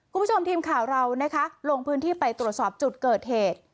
คุณผู้ชมทีมข่าวเรานะคะลงพื้นที่ไปตรวจสอบจุดเกิดเหตุ